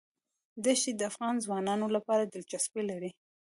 دښتې د افغان ځوانانو لپاره دلچسپي لري.